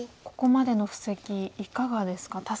ここまでの布石いかがですか？